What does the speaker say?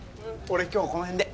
俺今日この辺で。